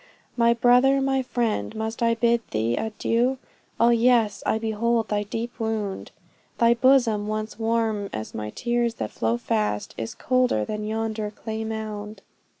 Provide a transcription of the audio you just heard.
My brother, my friend, must I bid thee adieu! Ah yes, I behold thy deep wound Thy bosom, once warm as my tears that fast flow, Is colder than yonder clay mound.